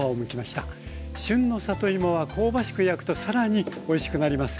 旬の里芋は香ばしく焼くと更においしくなります。